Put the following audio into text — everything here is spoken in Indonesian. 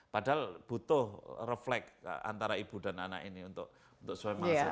padahal butuh refleks antara ibu dan anak ini untuk suami mahasiswa